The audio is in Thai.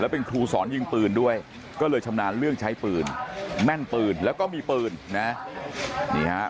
เป็นครูสอนยิงปืนด้วยก็เลยชำนาญเรื่องใช้ปืนแม่นปืนแล้วก็มีปืนนะนี่ฮะ